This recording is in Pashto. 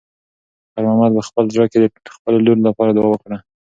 خیر محمد په خپل زړه کې د خپلې لور لپاره دعا وکړه.